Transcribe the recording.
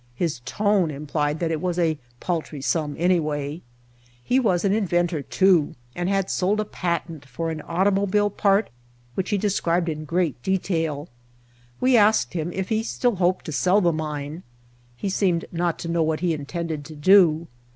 His tone implied that it was a paltry sum anyway. He was an inventor, too, and had sold a patent for an automobile part which he described in great detail. We asked him if he still hoped to sell the mine. He seemed not to know what he intended to do.